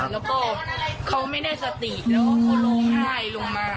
แล้วก็เขาไม่ได้สติแล้วเขาร้องไห้ลงมา